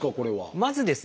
まずですね